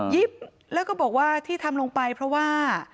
แล้วก็บอกว่าที่ทำลงไปเพราะว่า